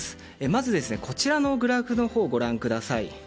まずはこちらのグラフをご覧ください。